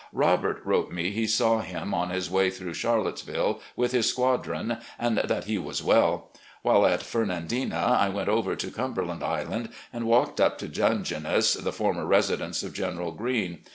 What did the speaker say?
Robert wrote me he saw him on his way through Charlottesville with his squadron, and that he was well. While at Femandina I went over to Cumber land Island and walked up to 'Dungeness,' the former residence of General Green.